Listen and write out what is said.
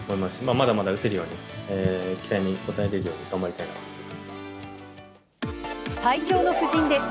まだまだ打てるように、期待に応えれるように頑張りたいなと思います。